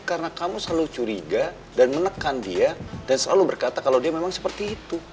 karena kamu selalu curiga dan menekan dia dan selalu berkata kalau dia memang seperti itu